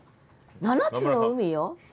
七つの海よ。